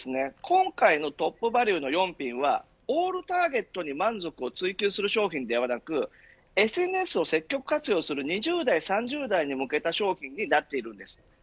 今回のトップバリュの４品はオールターゲットに満足を追求する商品ではなくＳＮＳを積極活用する２０代、３０代に向けた商品になっているんです。